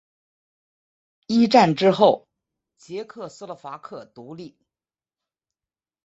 一战之后捷克斯洛伐克独立。